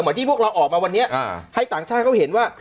ที่พวกเราออกมาวันนี้ให้ต่างชาติเขาเห็นว่า